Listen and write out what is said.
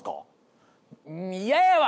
嫌やわ！